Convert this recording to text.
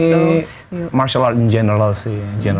ini martial art in general sih ya